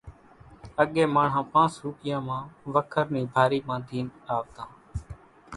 اڳيَ ماڻۿان پانس روپيان مان وکر نِي ڀارِي ٻاڌينَ آوتان۔